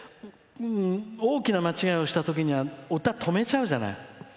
大きな間違いをしたときには歌、止めちゃうじゃない。